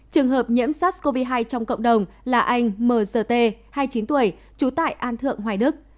trường hợp nhiễm sars cov hai trong cộng đồng là anh m g t hai mươi chín tuổi trú tại an thượng hoài đức